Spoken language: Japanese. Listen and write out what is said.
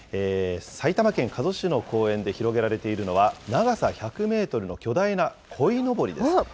埼玉県加須市の公園で広げられているのは、長さ１００メートルの巨大なこいのぼりです。